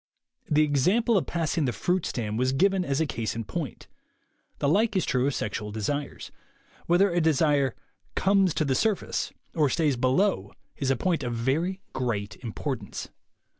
The example of passing the fruit stand was given as a case in point. The like is true of sexual desires. Whether a desire "comes to the surface" or stays below is a point of very great importance.